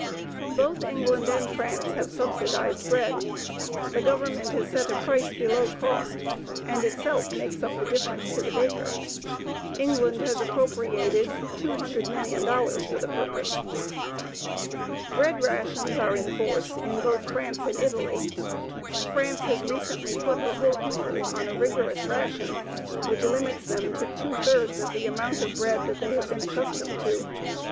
Both England and France have subsidized bread; the Government has set a price below cost and itself makes up the difference to the baker. England has appropriated $200,000,000 for the purpose. Bread rations are in force in both France and Italy. France has recently put her whole people on a rigorous ration which limits them to two thirds of the amount of bread that they have been accustomed to.